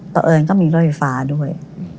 เอิญก็มีรถไฟฟ้าด้วย